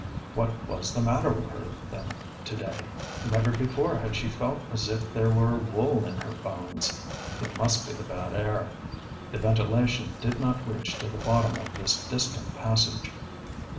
What was the matter with her, then, today? Never before had she felt as if there were wool in her bones. It must be the bad air. The ventilation did not reach to the bottom of this distant passage.